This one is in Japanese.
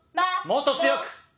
もっと強く！